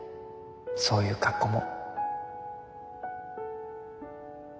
そういう格好も。